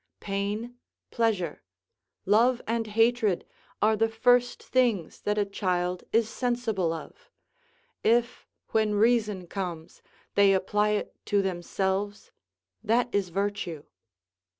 Pain, pleasure, love and hatred are the first things that a child is sensible of: if, when reason comes, they apply it to themselves, that is virtue.